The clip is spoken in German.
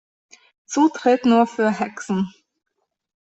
Zutritt nur für Hexen!